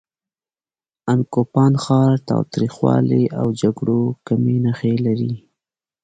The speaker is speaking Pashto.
ان کوپان ښار تاوتریخوالي او جګړو کمې نښې لري.